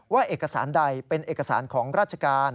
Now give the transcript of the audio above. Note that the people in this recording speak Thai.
ว่าเอกสารใดเป็นเอกสารของราชการ